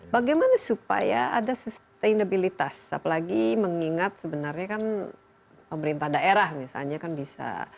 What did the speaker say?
bagaimana supaya ada sustainability apalagi mengingat sebenarnya kan pemerintah daerah misalnya kan bisa